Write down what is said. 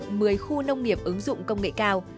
trong đó tám khu nông nghiệp ứng dụng công nghệ cao